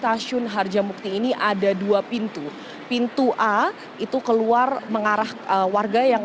angkutan umum apa ya